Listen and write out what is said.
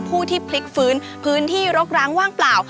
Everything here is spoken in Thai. ผู้ที่พลิกฟื้นพื้นที่รกร้างว่างเปล่า